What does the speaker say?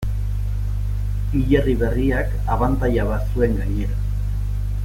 Hilerri berriak abantaila bat zuen gainera.